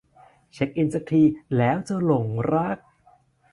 เช็กอินสักทีแล้วจะหลงรัก